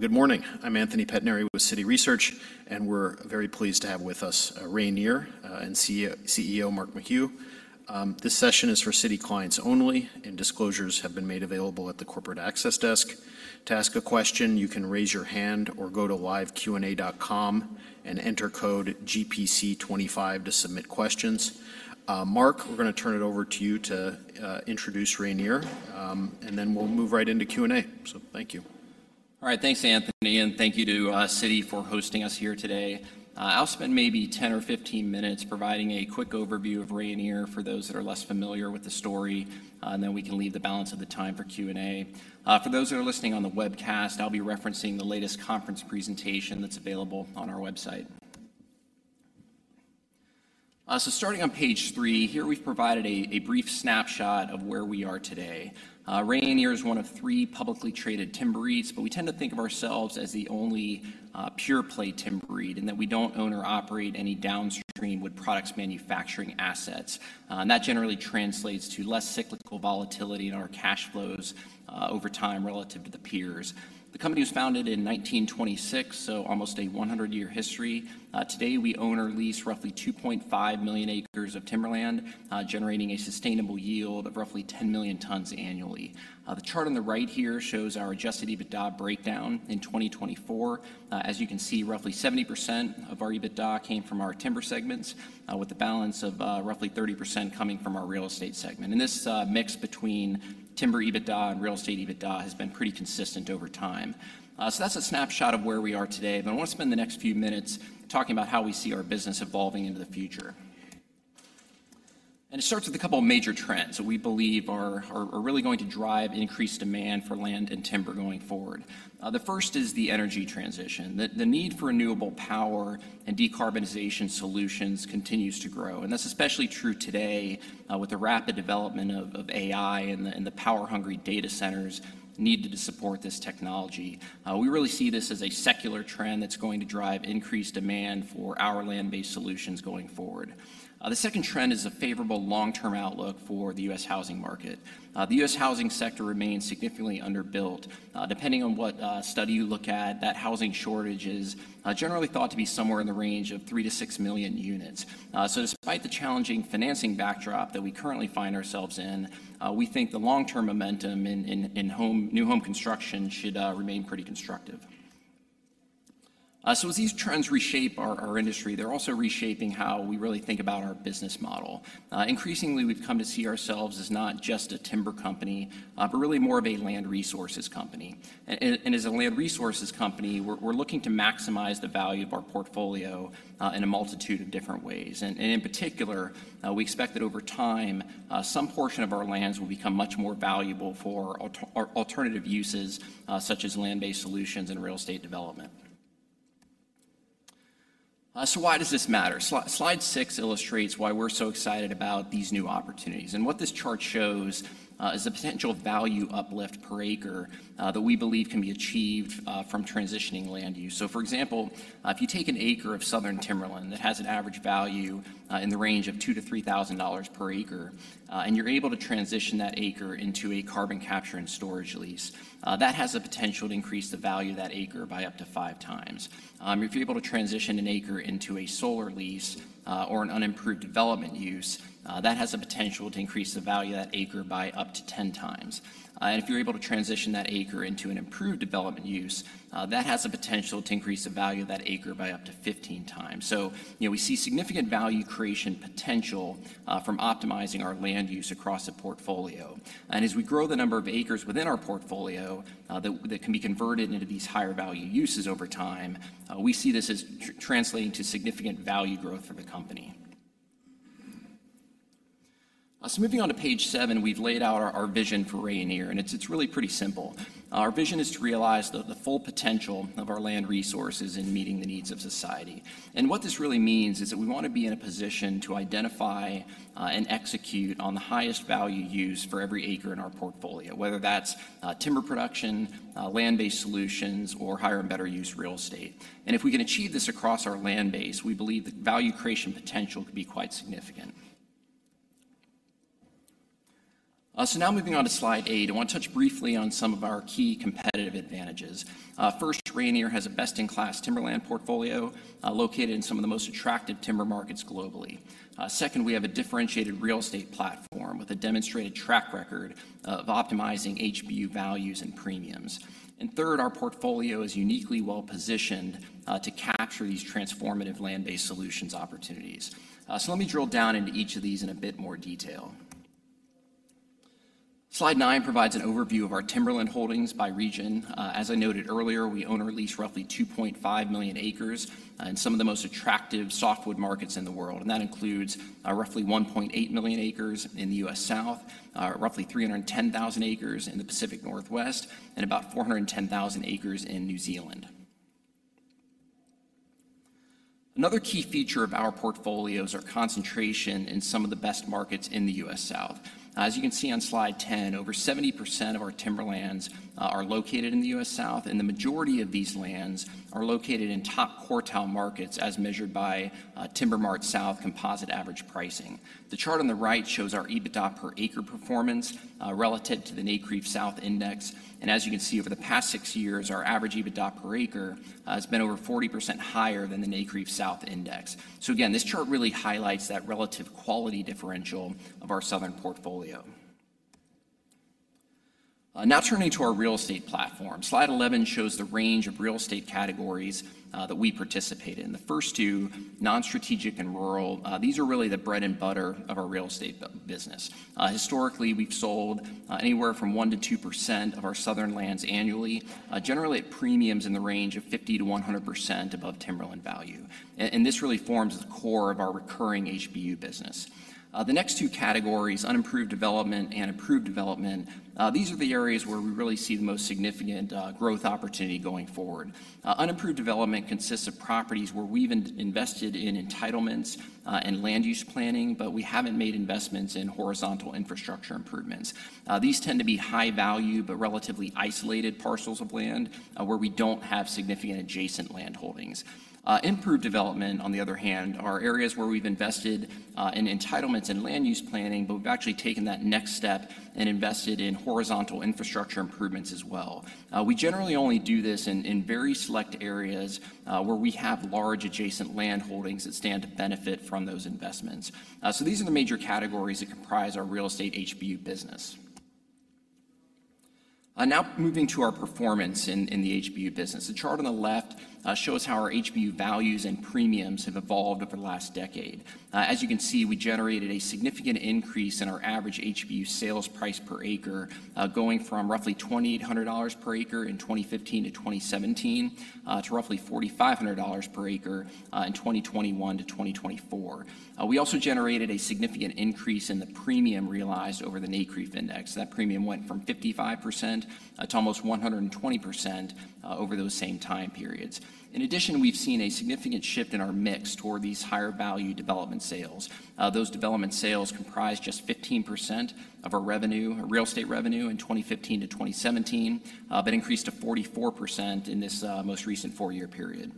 Good morning. I'm Anthony Pettinari with Citi Research, and we're very pleased to have with us Rayonier and CEO Mark McHugh. This session is for Citi clients only, and disclosures have been made available at the Corporate Access Desk. To ask a question, you can raise your hand or go to live.qna.com and enter code GPC25 to submit questions. Mark, we're going to turn it over to you to introduce Rayonier, and then we'll move right into Q&A. So thank you. All right. Thanks, Anthony, and thank you to Citi for hosting us here today. I'll spend maybe 10 or 15 minutes providing a quick overview of Rayonier for those that are less familiar with the story, and then we can leave the balance of the time for Q&A. For those that are listening on the webcast, I'll be referencing the latest conference presentation that's available on our website. So starting on page three, here we've provided a brief snapshot of where we are today. Rayonier is one of three publicly traded timber REITs, but we tend to think of ourselves as the only pure-play timber REIT in that we don't own or operate any downstream wood products manufacturing assets. That generally translates to less cyclical volatility in our cash flows over time relative to the peers. The company was founded in 1926, so almost a 100-year history. Today, we own or lease roughly 2.5 million acres of timberland, generating a sustainable yield of roughly 10 million tons annually. The chart on the right here shows our Adjusted EBITDA breakdown in 2024. As you can see, roughly 70% of our EBITDA came from our timber segments, with a balance of roughly 30% coming from our real estate segment. And this mix between timber EBITDA and real estate EBITDA has been pretty consistent over time. So that's a snapshot of where we are today, but I want to spend the next few minutes talking about how we see our business evolving into the future. And it starts with a couple of major trends that we believe are really going to drive increased demand for land and timber going forward. The first is the energy transition. The need for renewable power and decarbonization solutions continues to grow, and that's especially true today with the rapid development of AI and the power-hungry data centers needed to support this technology. We really see this as a secular trend that's going to drive increased demand for our land-based solutions going forward. The second trend is a favorable long-term outlook for the U.S. housing market. The U.S. housing sector remains significantly underbuilt. Depending on what study you look at, that housing shortage is generally thought to be somewhere in the range of three to six million units. So despite the challenging financing backdrop that we currently find ourselves in, we think the long-term momentum in new home construction should remain pretty constructive. So as these trends reshape our industry, they're also reshaping how we really think about our business model. Increasingly, we've come to see ourselves as not just a timber company, but really more of a land resources company. And as a land resources company, we're looking to maximize the value of our portfolio in a multitude of different ways. And in particular, we expect that over time, some portion of our lands will become much more valuable for alternative uses such as land-based solutions and real estate development. So why does this matter? Slide six illustrates why we're so excited about these new opportunities. And what this chart shows is the potential value uplift per acre that we believe can be achieved from transitioning land use. So for example, if you take an acre of southern timberland that has an average value in the range of $2,000-$3,000 per acre, and you're able to transition that acre into a carbon capture and storage lease, that has the potential to increase the value of that acre by up to five times. If you're able to transition an acre into a solar lease or an unimproved development use, that has the potential to increase the value of that acre by up to 10 times. And if you're able to transition that acre into an improved development use, that has the potential to increase the value of that acre by up to 15 times. So we see significant value creation potential from optimizing our land use across the portfolio. As we grow the number of acres within our portfolio that can be converted into these higher value uses over time, we see this as translating to significant value growth for the company. Moving on to page seven, we've laid out our vision for Rayonier, and it's really pretty simple. Our vision is to realize the full potential of our land resources in meeting the needs of society. What this really means is that we want to be in a position to identify and execute on the highest value used for every acre in our portfolio, whether that's timber production, land-based solutions, or higher and better used real estate. If we can achieve this across our land base, we believe the value creation potential could be quite significant. So now moving on to slide eight, I want to touch briefly on some of our key competitive advantages. First, Rayonier has a best-in-class timberland portfolio located in some of the most attractive timber markets globally. Second, we have a differentiated real estate platform with a demonstrated track record of optimizing HBU values and premiums. And third, our portfolio is uniquely well-positioned to capture these transformative land-based solutions opportunities. So let me drill down into each of these in a bit more detail. Slide nine provides an overview of our timberland holdings by region. As I noted earlier, we own or lease roughly 2.5 million acres in some of the most attractive softwood markets in the world. And that includes roughly 1.8 million acres in the U.S. South, roughly 310,000 acres in the Pacific Northwest, and about 410,000 acres in New Zealand. Another key feature of our portfolios is our concentration in some of the best markets in the U.S. South. As you can see on slide 10, over 70% of our timberlands are located in the U.S. South, and the majority of these lands are located in top quartile markets as measured by TimberMart-South composite average pricing. The chart on the right shows our EBITDA per acre performance relative to the NCREIF South Index, and as you can see, over the past six years, our average EBITDA per acre has been over 40% higher than the NCREIF South Index, so again, this chart really highlights that relative quality differential of our southern portfolio. Now turning to our real estate platform, slide 11 shows the range of real estate categories that we participate in. The first two, non-strategic and rural, these are really the bread and butter of our real estate business. Historically, we've sold anywhere from 1%-2% of our southern lands annually, generally at premiums in the range of 50%-100% above timberland value, and this really forms the core of our recurring HBU business. The next two categories, unimproved development and improved development, these are the areas where we really see the most significant growth opportunity going forward. Unimproved development consists of properties where we've invested in entitlements and land use planning, but we haven't made investments in horizontal infrastructure improvements. These tend to be high value, but relatively isolated parcels of land where we don't have significant adjacent land holdings. Improved development, on the other hand, are areas where we've invested in entitlements and land use planning, but we've actually taken that next step and invested in horizontal infrastructure improvements as well. We generally only do this in very select areas where we have large adjacent land holdings that stand to benefit from those investments. So these are the major categories that comprise our real estate HBU business. Now moving to our performance in the HBU business. The chart on the left shows how our HBU values and premiums have evolved over the last decade. As you can see, we generated a significant increase in our average HBU sales price per acre, going from roughly $2,800 per acre in 2015-2017 to roughly $4,500 per acre in 2021-2024. We also generated a significant increase in the premium realized over the NCREIF Index. That premium went from 55% to almost 120% over those same time periods. In addition, we've seen a significant shift in our mix toward these higher value development sales. Those development sales comprised just 15% of our real estate revenue in 2015-2017, but increased to 44% in this most recent four-year period.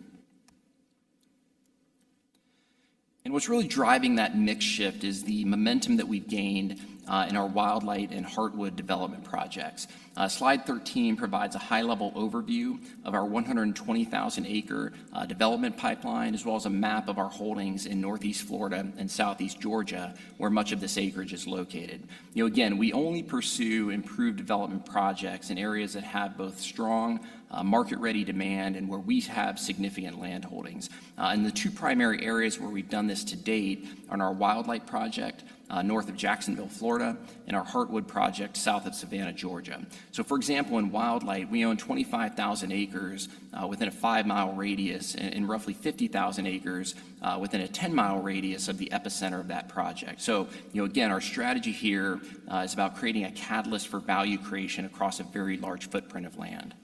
What's really driving that mix shift is the momentum that we've gained in our Wildlight and Heartwood development projects. Slide 13 provides a high-level overview of our 120,000-acre development pipeline, as well as a map of our holdings in Northeast Florida and Southeast Georgia, where much of this acreage is located. Again, we only pursue improved development projects in areas that have both strong market-ready demand and where we have significant land holdings. The two primary areas where we've done this to date are our Wildlight project north of Jacksonville, Florida, and our Heartwood project south of Savannah, Georgia. So for example, in Wildlight, we own 25,000 acres within a five-mile radius and roughly 50,000 acres within a 10-mile radius of the epicenter of that project. So again, our strategy here is about creating a catalyst for value creation across a very large footprint of land.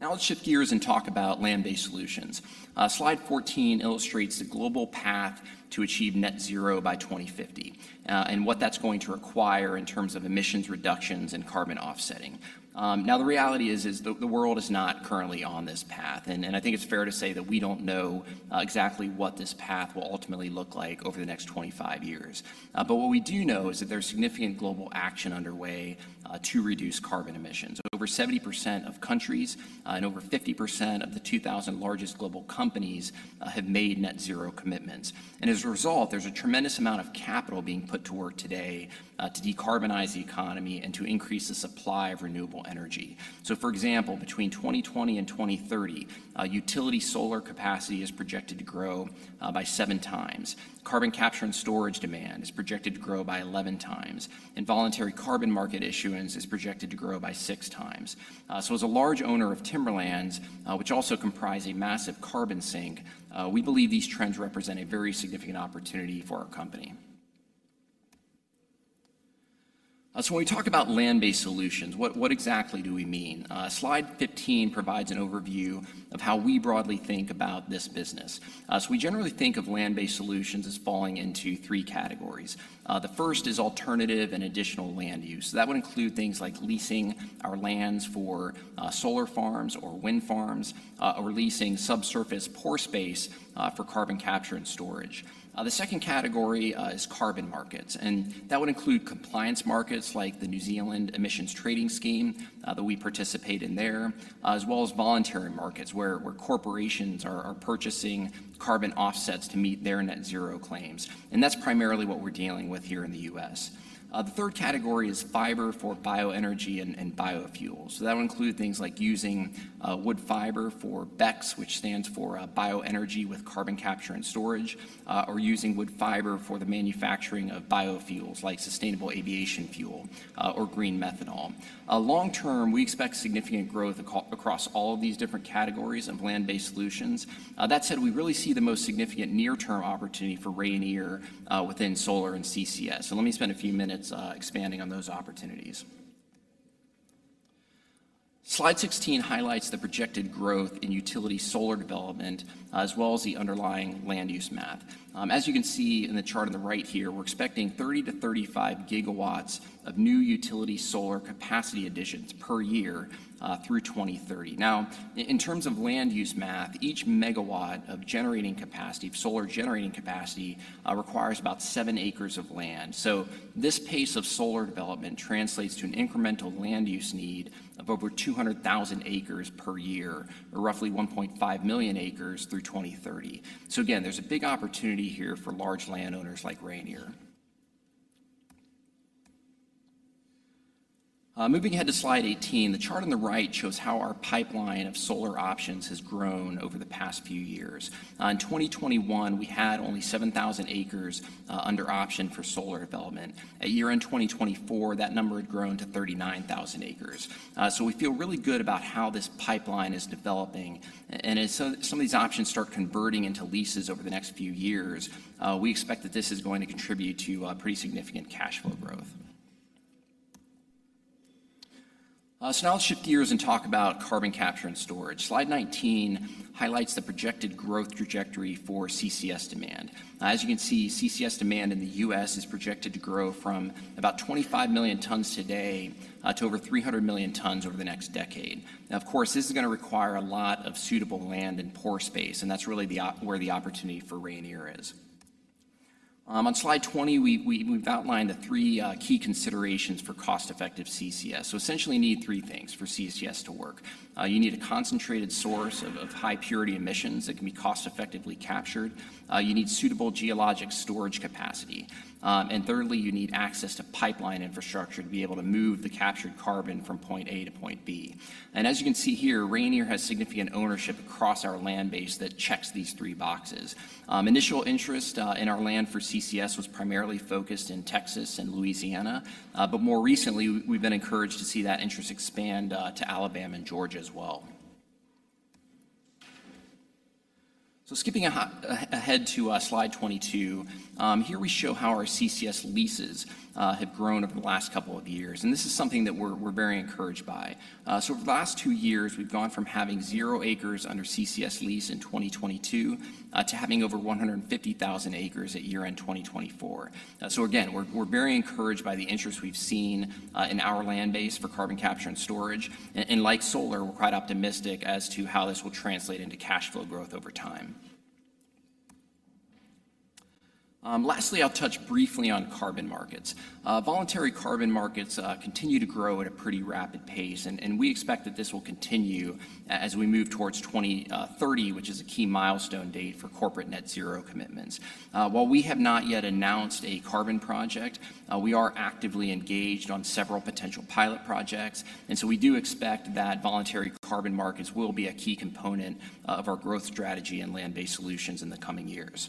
Now let's shift gears and talk about land-based solutions. Slide 14 illustrates the global path to achieve net zero by 2050 and what that's going to require in terms of emissions reductions and carbon offsetting. Now, the reality is the world is not currently on this path, and I think it's fair to say that we don't know exactly what this path will ultimately look like over the next 25 years. What we do know is that there's significant global action underway to reduce carbon emissions. Over 70% of countries and over 50% of the 2,000 largest global companies have made net zero commitments. As a result, there's a tremendous amount of capital being put to work today to decarbonize the economy and to increase the supply of renewable energy. For example, between 2020 and 2030, utility solar capacity is projected to grow by seven times. Carbon capture and storage demand is projected to grow by 11 times. Voluntary carbon market issuance is projected to grow by six times. As a large owner of timberlands, which also comprise a massive carbon sink, we believe these trends represent a very significant opportunity for our company. When we talk about land-based solutions, what exactly do we mean? Slide 15 provides an overview of how we broadly think about this business. So we generally think of land-based solutions as falling into three categories. The first is alternative and additional land use. That would include things like leasing our lands for solar farms or wind farms or leasing subsurface pore space for carbon capture and storage. The second category is carbon markets, and that would include compliance markets like the New Zealand Emissions Trading Scheme that we participate in there, as well as voluntary markets where corporations are purchasing carbon offsets to meet their net zero claims. And that's primarily what we're dealing with here in the U.S. The third category is fiber for bioenergy and biofuels. So that would include things like using wood fiber for BECCS, which stands for bioenergy with carbon capture and storage, or using wood fiber for the manufacturing of biofuels like sustainable aviation fuel or green methanol. Long term, we expect significant growth across all of these different categories of land-based solutions. That said, we really see the most significant near-term opportunity for Rayonier within solar and CCS. So let me spend a few minutes expanding on those opportunities. Slide 16 highlights the projected growth in utility solar development as well as the underlying land use math. As you can see in the chart on the right here, we're expecting 30-35 gigawatts of new utility solar capacity additions per year through 2030. Now, in terms of land use math, each megawatt of solar generating capacity requires about seven acres of land. This pace of solar development translates to an incremental land use need of over 200,000 acres per year, or roughly 1.5 million acres through 2030. Again, there's a big opportunity here for large landowners like Rayonier. Moving ahead to Slide 18, the chart on the right shows how our pipeline of solar options has grown over the past few years. In 2021, we had only 7,000 acres under option for solar development. In 2024, that number had grown to 39,000 acres. We feel really good about how this pipeline is developing. As some of these options start converting into leases over the next few years, we expect that this is going to contribute to pretty significant cash flow growth. Now let's shift gears and talk about carbon capture and storage. Slide 19 highlights the projected growth trajectory for CCS demand. As you can see, CCS demand in the U.S. is projected to grow from about 25 million tons today to over 300 million tons over the next decade. Now, of course, this is going to require a lot of suitable land and pore space, and that's really where the opportunity for Rayonier is. On slide 20, we've outlined the three key considerations for cost-effective CCS. So essentially, you need three things for CCS to work. You need a concentrated source of high-purity emissions that can be cost-effectively captured. You need suitable geologic storage capacity. And thirdly, you need access to pipeline infrastructure to be able to move the captured carbon from point A to point B, and as you can see here, Rayonier has significant ownership across our land base that checks these three boxes. Initial interest in our land for CCS was primarily focused in Texas and Louisiana, but more recently, we've been encouraged to see that interest expand to Alabama and Georgia as well, so skipping ahead to slide 22, here we show how our CCS leases have grown over the last couple of years, and this is something that we're very encouraged by, so over the last two years, we've gone from having zero acres under CCS lease in 2022 to having over 150,000 acres at year-end 2024, so again, we're very encouraged by the interest we've seen in our land base for carbon capture and storage, and like solar, we're quite optimistic as to how this will translate into cash flow growth over time. Lastly, I'll touch briefly on carbon markets. Voluntary carbon markets continue to grow at a pretty rapid pace, and we expect that this will continue as we move towards 2030, which is a key milestone date for corporate net zero commitments. While we have not yet announced a carbon project, we are actively engaged on several potential pilot projects, and so we do expect that voluntary carbon markets will be a key component of our growth strategy and land-based solutions in the coming years,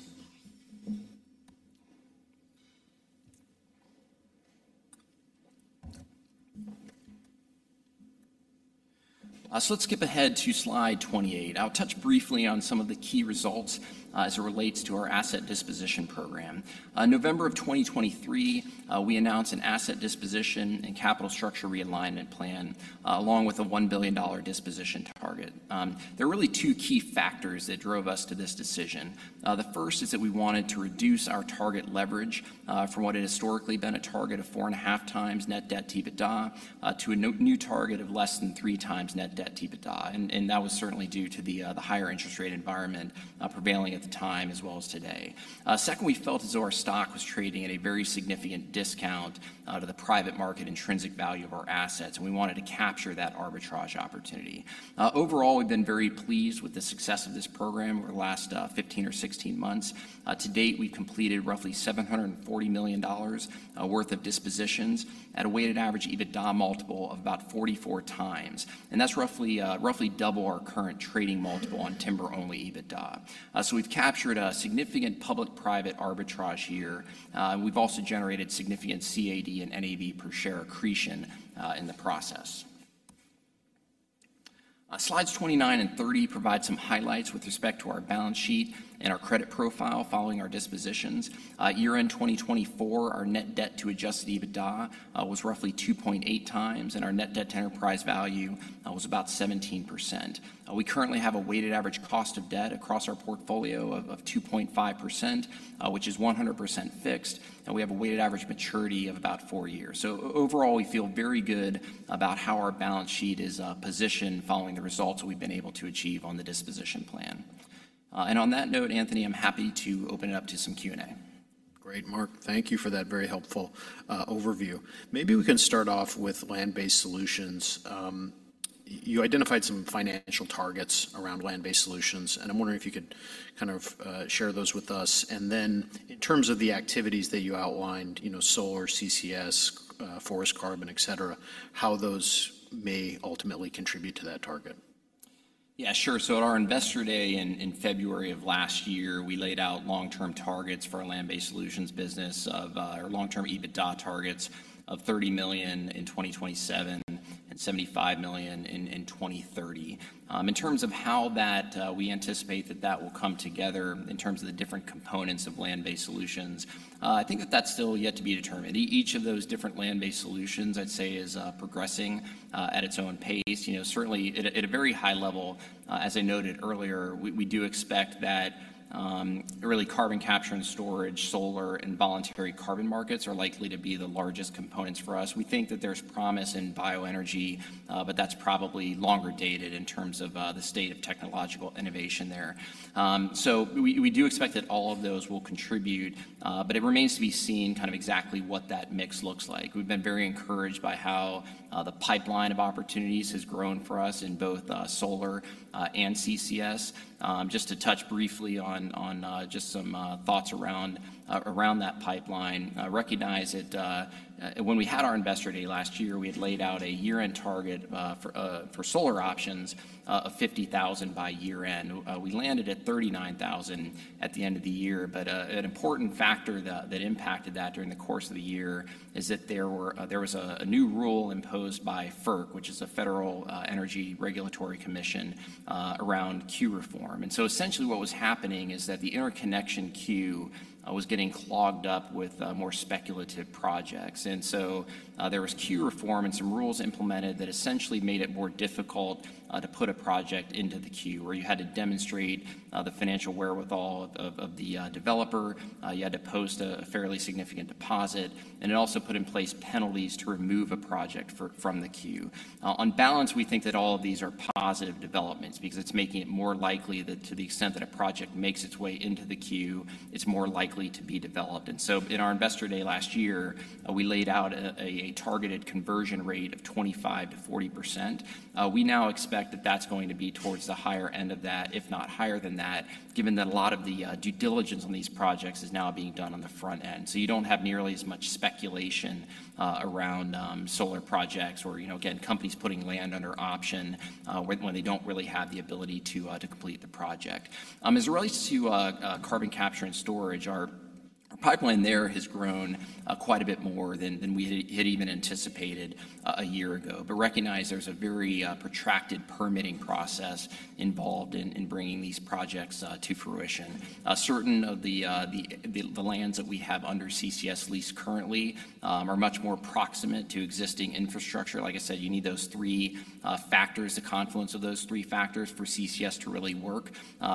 so let's skip ahead to slide 28. I'll touch briefly on some of the key results as it relates to our asset disposition program. In November of 2023, we announced an asset disposition and capital structure realignment plan along with a $1 billion disposition target. There are really two key factors that drove us to this decision. The first is that we wanted to reduce our target leverage from what had historically been a target of four and a half times net debt to EBITDA to a new target of less than three times net debt to EBITDA, and that was certainly due to the higher interest rate environment prevailing at the time as well as today. Second, we felt as though our stock was trading at a very significant discount to the private market intrinsic value of our assets, and we wanted to capture that arbitrage opportunity. Overall, we've been very pleased with the success of this program over the last 15 or 16 months. To date, we've completed roughly $740 million worth of dispositions at a weighted average EBITDA multiple of about 44 times, and that's roughly double our current trading multiple on timber-only EBITDA, so we've captured a significant public-private arbitrage here. We've also generated significant CAD and NAV per share accretion in the process. Slides 29 and 30 provide some highlights with respect to our balance sheet and our credit profile following our dispositions. Year-end 2024, our net debt to adjusted EBITDA was roughly 2.8 times, and our net debt to enterprise value was about 17%. We currently have a weighted average cost of debt across our portfolio of 2.5%, which is 100% fixed. And we have a weighted average maturity of about four years. So overall, we feel very good about how our balance sheet is positioned following the results we've been able to achieve on the disposition plan. And on that note, Anthony, I'm happy to open it up to some Q&A. Great, Mark. Thank you for that very helpful overview. Maybe we can start off with land-based solutions. You identified some financial targets around land-based solutions, and I'm wondering if you could kind of share those with us, and then in terms of the activities that you outlined, solar, CCS, forest carbon, etc., how those may ultimately contribute to that target. Yeah, sure, so at our investor day in February of last year, we laid out long-term targets for our land-based solutions business of our long-term EBITDA targets of $30 million in 2027 and $75 million in 2030. In terms of how we anticipate that that will come together in terms of the different components of land-based solutions, I think that that's still yet to be determined. Each of those different land-based solutions, I'd say, is progressing at its own pace. Certainly, at a very high level, as I noted earlier, we do expect that really carbon capture and storage, solar, and voluntary carbon markets are likely to be the largest components for us. We think that there's promise in bioenergy, but that's probably longer dated in terms of the state of technological innovation there. We do expect that all of those will contribute, but it remains to be seen kind of exactly what that mix looks like. We've been very encouraged by how the pipeline of opportunities has grown for us in both solar and CCS. Just to touch briefly on just some thoughts around that pipeline, recognize that when we had our investor day last year, we had laid out a year-end target for solar options of 50,000 by year-end. We landed at 39,000 at the end of the year. But an important factor that impacted that during the course of the year is that there was a new rule imposed by FERC, which is the Federal Energy Regulatory Commission, around queue reform. Essentially what was happening is that the interconnection queue was getting clogged up with more speculative projects. And so there was queue reform and some rules implemented that essentially made it more difficult to put a project into the queue, where you had to demonstrate the financial wherewithal of the developer. You had to post a fairly significant deposit. And it also put in place penalties to remove a project from the queue. On balance, we think that all of these are positive developments because it's making it more likely that to the extent that a project makes its way into the queue, it's more likely to be developed. And so in our investor day last year, we laid out a targeted conversion rate of 25%-40%. We now expect that that's going to be towards the higher end of that, if not higher than that, given that a lot of the due diligence on these projects is now being done on the front end. So you don't have nearly as much speculation around solar projects or, again, companies putting land under option when they don't really have the ability to complete the project. As it relates to carbon capture and storage, our pipeline there has grown quite a bit more than we had even anticipated a year ago. But recognize there's a very protracted permitting process involved in bringing these projects to fruition. Certain of the lands that we have under CCS lease currently are much more proximate to existing infrastructure. Like I said, you need those three factors, the confluence of those three factors for CCS to really work.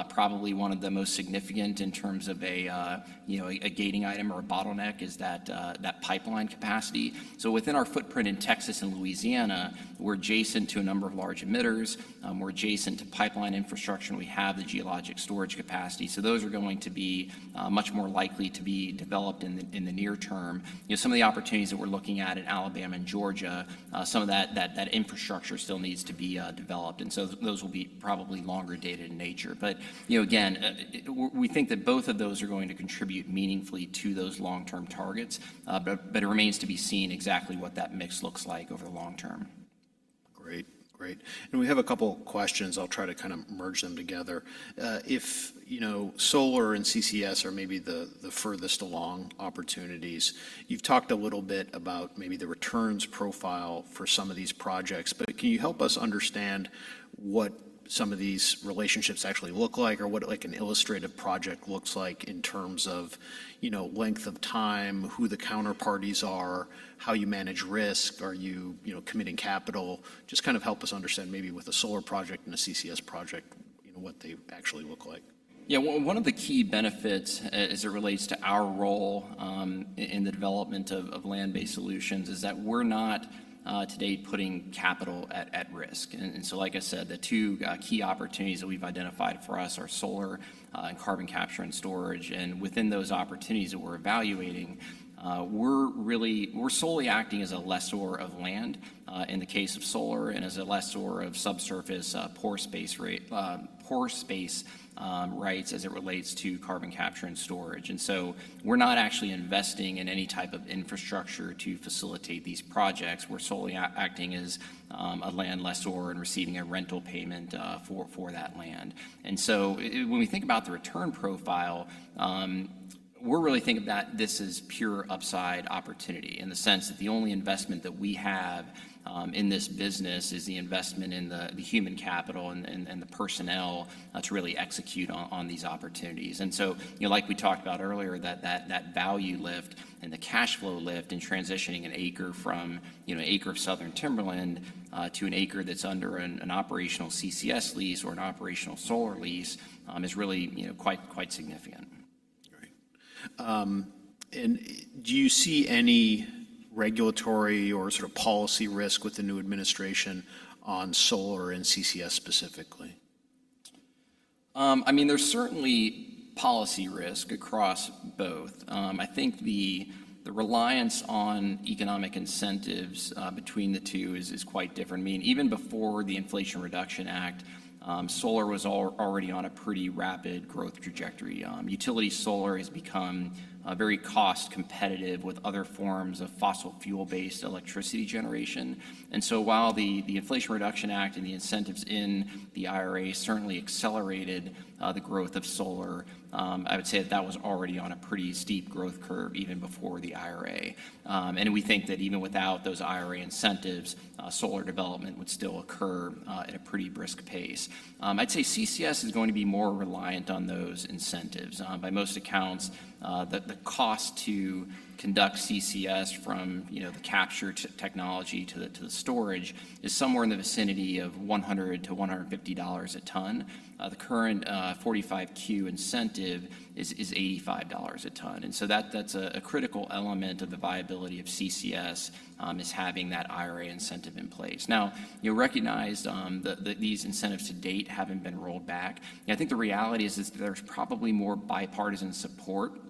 Probably one of the most significant in terms of a gating item or a bottleneck is that pipeline capacity. So within our footprint in Texas and Louisiana, we're adjacent to a number of large emitters. We're adjacent to pipeline infrastructure. We have the geologic storage capacity. So those are going to be much more likely to be developed in the near term. Some of the opportunities that we're looking at in Alabama and Georgia, some of that infrastructure still needs to be developed. And so those will be probably longer dated in nature. But again, we think that both of those are going to contribute meaningfully to those long-term targets. But it remains to be seen exactly what that mix looks like over the long term. Great, great. And we have a couple of questions. I'll try to kind of merge them together. If solar and CCS are maybe the furthest along opportunities, you've talked a little bit about maybe the returns profile for some of these projects. But can you help us understand what some of these relationships actually look like or what an illustrative project looks like in terms of length of time, who the counterparties are, how you manage risk, are you committing capital? Just kind of help us understand maybe with a solar project and a CCS project, what they actually look like. Yeah, one of the key benefits as it relates to our role in the development of land-based solutions is that we're not today putting capital at risk. And so like I said, the two key opportunities that we've identified for us are solar and carbon capture and storage. And within those opportunities that we're evaluating, we're solely acting as a lessor of land in the case of solar and as a lessor of subsurface pore space rights as it relates to carbon capture and storage. And so we're not actually investing in any type of infrastructure to facilitate these projects. We're solely acting as a land lessor and receiving a rental payment for that land. And so when we think about the return profile, we're really thinking that this is pure upside opportunity in the sense that the only investment that we have in this business is the investment in the human capital and the personnel to really execute on these opportunities. And so like we talked about earlier, that value lift and the cash flow lift in transitioning an acre from an acre of southern timberland to an acre that's under an operational CCS lease or an operational solar lease is really quite significant. Great. And do you see any regulatory or sort of policy risk with the new administration on solar and CCS specifically? I mean, there's certainly policy risk across both. I think the reliance on economic incentives between the two is quite different. I mean, even before the Inflation Reduction Act, solar was already on a pretty rapid growth trajectory. Utility solar has become very cost competitive with other forms of fossil fuel-based electricity generation. And so while the Inflation Reduction Act and the incentives in the IRA certainly accelerated the growth of solar, I would say that that was already on a pretty steep growth curve even before the IRA. And we think that even without those IRA incentives, solar development would still occur at a pretty brisk pace. I'd say CCS is going to be more reliant on those incentives. By most accounts, the cost to conduct CCS from the capture technology to the storage is somewhere in the vicinity of $100-$150 a ton. The current 45Q incentive is $85 a ton. And so that's a critical element of the viability of CCS is having that IRA incentive in place. Now, recognize that these incentives to date haven't been rolled back. I think the reality is that there's probably more bipartisan support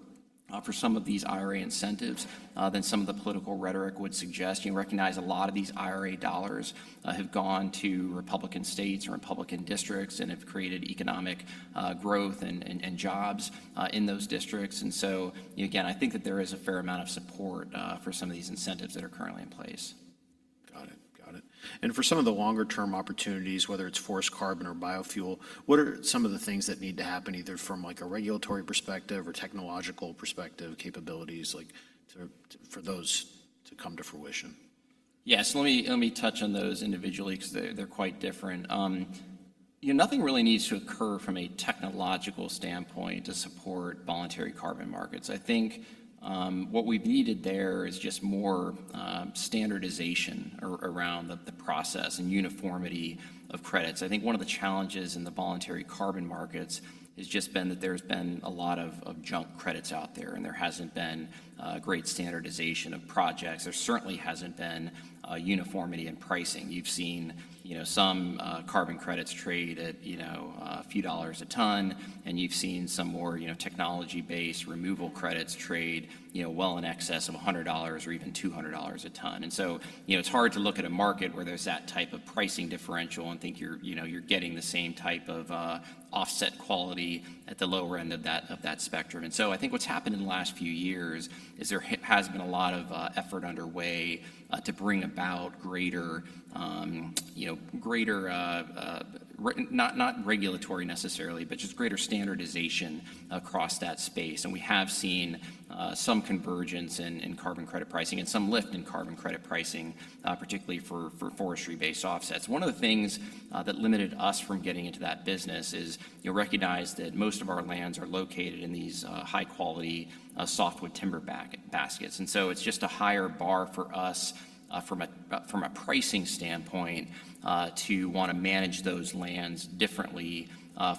for some of these IRA incentives than some of the political rhetoric would suggest. You recognize a lot of these IRA dollars have gone to Republican states and Republican districts and have created economic growth and jobs in those districts. And so again, I think that there is a fair amount of support for some of these incentives that are currently in place. Got it, got it. And for some of the longer-term opportunities, whether it's forest carbon or biofuel, what are some of the things that need to happen either from a regulatory perspective or technological perspective capabilities for those to come to fruition? Yeah, so let me touch on those individually because they're quite different. Nothing really needs to occur from a technological standpoint to support voluntary carbon markets. I think what we've needed there is just more standardization around the process and uniformity of credits. I think one of the challenges in the voluntary carbon markets has just been that there's been a lot of junk credits out there and there hasn't been great standardization of projects. There certainly hasn't been uniformity in pricing. You've seen some carbon credits trade at a few dollars a ton, and you've seen some more technology-based removal credits trade well in excess of $100 or even $200 a ton, and so it's hard to look at a market where there's that type of pricing differential and think you're getting the same type of offset quality at the lower end of that spectrum. And so I think what's happened in the last few years is there has been a lot of effort underway to bring about greater not regulatory necessarily, but just greater standardization across that space. And we have seen some convergence in carbon credit pricing and some lift in carbon credit pricing, particularly for forestry-based offsets. One of the things that limited us from getting into that business is you'll recognize that most of our lands are located in these high-quality softwood timber baskets. And so it's just a higher bar for us from a pricing standpoint to want to manage those lands differently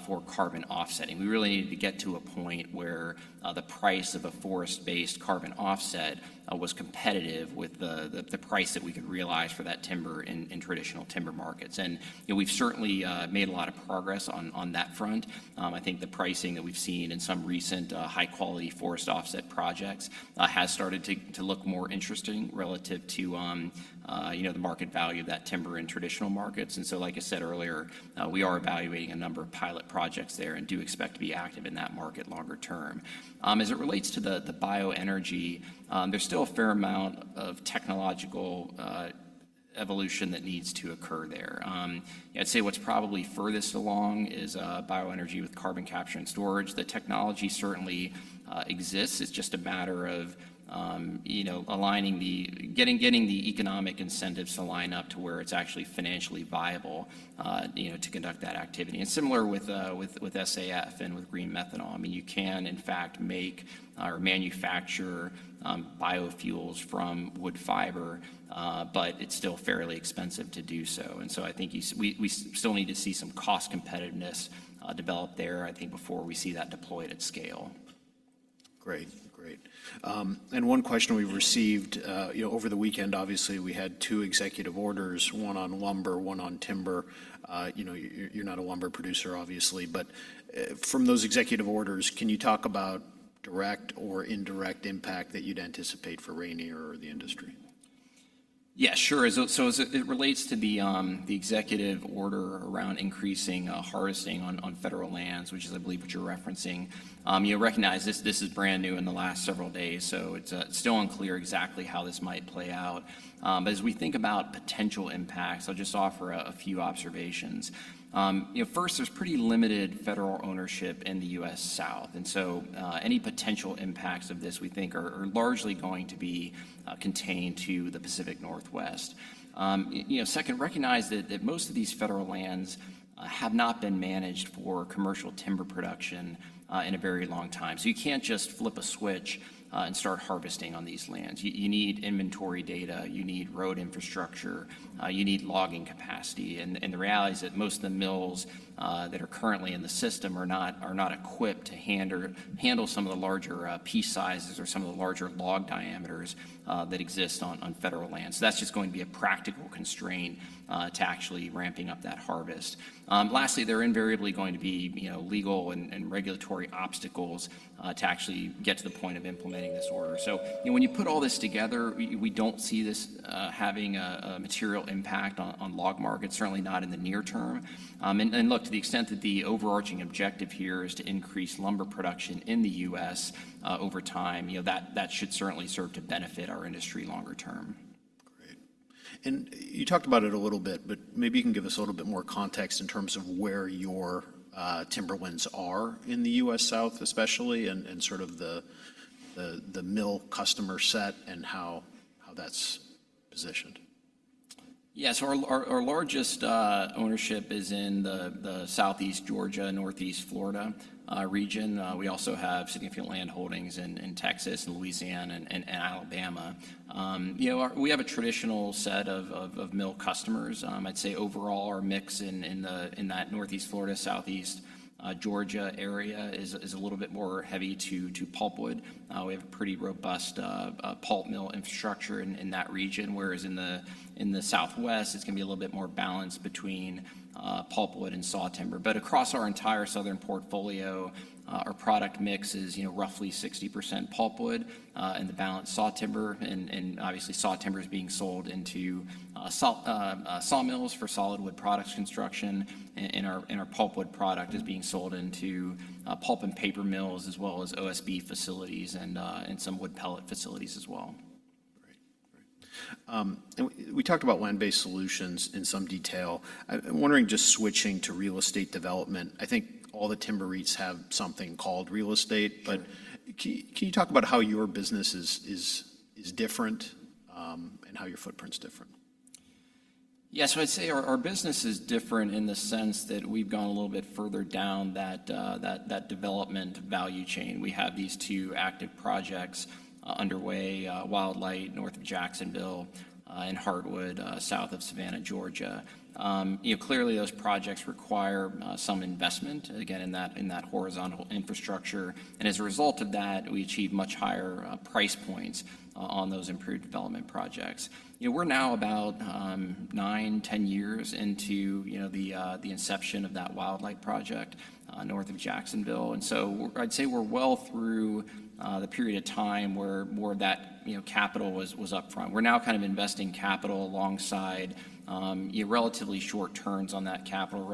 for carbon offsetting. We really needed to get to a point where the price of a forest-based carbon offset was competitive with the price that we could realize for that timber in traditional timber markets. And we've certainly made a lot of progress on that front. I think the pricing that we've seen in some recent high-quality forest offset projects has started to look more interesting relative to the market value of that timber in traditional markets. And so like I said earlier, we are evaluating a number of pilot projects there and do expect to be active in that market longer term. As it relates to the bioenergy, there's still a fair amount of technological evolution that needs to occur there. I'd say what's probably furthest along is bioenergy with carbon capture and storage. The technology certainly exists. It's just a matter of aligning, getting the economic incentives to line up to where it's actually financially viable to conduct that activity. And similar with SAF and with green methanol, I mean, you can in fact make or manufacture biofuels from wood fiber, but it's still fairly expensive to do so. I think we still need to see some cost competitiveness develop there, I think, before we see that deployed at scale. Great, great. And one question we've received over the weekend, obviously we had two executive orders, one on lumber, one on timber. You're not a lumber producer, obviously. But from those executive orders, can you talk about direct or indirect impact that you'd anticipate for Rayonier or the industry? Yeah, sure. So as it relates to the executive order around increasing harvesting on federal lands, which is I believe what you're referencing, you recognize this is brand new in the last several days. So it's still unclear exactly how this might play out. But as we think about potential impacts, I'll just offer a few observations. First, there's pretty limited federal ownership in the U.S. South. And so any potential impacts of this we think are largely going to be contained to the Pacific Northwest. Second, recognize that most of these federal lands have not been managed for commercial timber production in a very long time. So you can't just flip a switch and start harvesting on these lands. You need inventory data. You need road infrastructure. You need logging capacity. The reality is that most of the mills that are currently in the system are not equipped to handle some of the larger piece sizes or some of the larger log diameters that exist on federal lands. So that's just going to be a practical constraint to actually ramping up that harvest. Lastly, there are invariably going to be legal and regulatory obstacles to actually get to the point of implementing this order. So when you put all this together, we don't see this having a material impact on log markets, certainly not in the near term. Look, to the extent that the overarching objective here is to increase lumber production in the U.S. over time, that should certainly serve to benefit our industry longer term. Great. And you talked about it a little bit, but maybe you can give us a little bit more context in terms of where your timberlands are in the U.S. South, especially, and sort of the mill customer set and how that's positioned. Yeah, so our largest ownership is in the Southeast Georgia, Northeast Florida region. We also have significant land holdings in Texas, Louisiana, and Alabama. We have a traditional set of mill customers. I'd say overall our mix in that Northeast Florida, Southeast Georgia area is a little bit more heavy to pulpwood. We have a pretty robust pulp mill infrastructure in that region. Whereas in the southwest, it's going to be a little bit more balanced between pulpwood and saw timber. But across our entire southern portfolio, our product mix is roughly 60% pulpwood and the balance saw timber. And obviously, saw timber is being sold into sawmills for solid wood products construction. And our pulpwood product is being sold into pulp and paper mills as well as OSB facilities and some wood pellet facilities as well. Great, great. We talked about land-based solutions in some detail. I'm wondering, just switching to real estate development, I think all the timber REITs have something called real estate. But can you talk about how your business is different and how your footprint's different? Yes, I'd say our business is different in the sense that we've gone a little bit further down that development value chain. We have these two active projects underway, Wildlight north of Jacksonville and Heartwood south of Savannah, Georgia. Clearly, those projects require some investment, again, in that horizontal infrastructure, and as a result of that, we achieve much higher price points on those improved development projects. We're now about nine, 10 years into the inception of that Wildlight project north of Jacksonville, and so I'd say we're well through the period of time where more of that capital was upfront. We're now kind of investing capital alongside relatively short turns on that capital,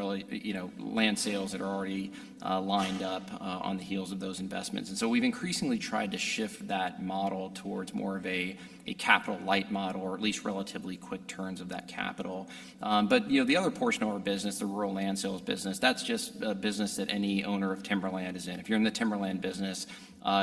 land sales that are already lined up on the heels of those investments. And so we've increasingly tried to shift that model towards more of a capital light model or at least relatively quick turns of that capital. But the other portion of our business, the rural land sales business, that's just a business that any owner of timberland is in. If you're in the timberland business,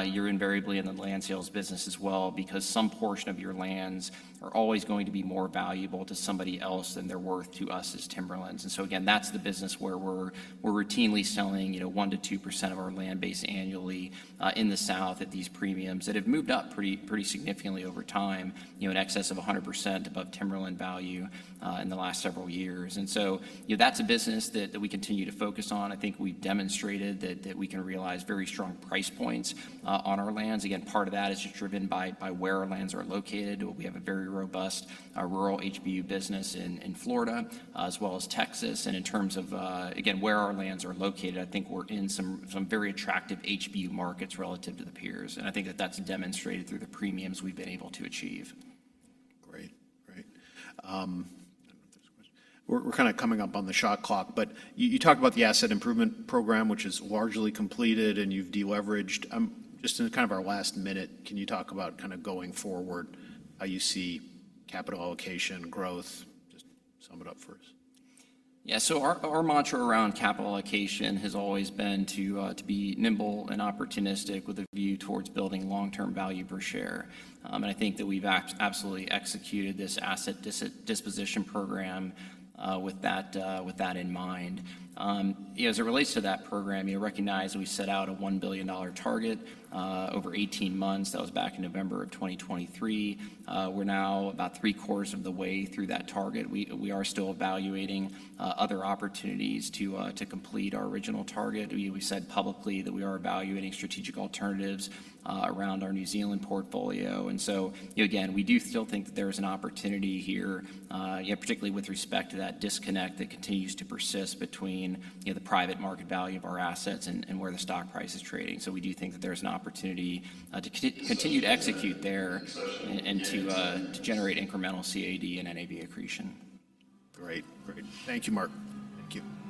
you're invariably in the land sales business as well because some portion of your lands are always going to be more valuable to somebody else than they're worth to us as timberlands. And so again, that's the business where we're routinely selling 1%-2% of our land base annually in the south at these premiums that have moved up pretty significantly over time in excess of 100% above timberland value in the last several years. And so that's a business that we continue to focus on. I think we've demonstrated that we can realize very strong price points on our lands. Again, part of that is just driven by where our lands are located. We have a very robust rural HBU business in Florida as well as Texas, and in terms of, again, where our lands are located, I think we're in some very attractive HBU markets relative to the peers, and I think that that's demonstrated through the premiums we've been able to achieve. Great, great. I don't know if there's a question. We're kind of coming up on the shot clock, but you talked about the asset improvement program, which is largely completed and you've deleveraged. Just in kind of our last minute, can you talk about kind of going forward, how you see capital allocation growth? Just sum it up for us. Yeah, so our mantra around capital allocation has always been to be nimble and opportunistic with a view towards building long-term value per share. And I think that we've absolutely executed this asset disposition program with that in mind. As it relates to that program, you recognize we set out a $1 billion target over 18 months. That was back in November of 2023. We're now about three quarters of the way through that target. We are still evaluating other opportunities to complete our original target. We said publicly that we are evaluating strategic alternatives around our New Zealand portfolio. And so again, we do still think that there is an opportunity here, particularly with respect to that disconnect that continues to persist between the private market value of our assets and where the stock price is trading. We do think that there's an opportunity to continue to execute there and to generate incremental CAD and NAV accretion. Great, great. Thank you, Mark. Thank you.